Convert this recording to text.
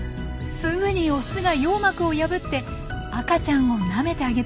すぐにオスが羊膜を破って赤ちゃんをなめてあげています。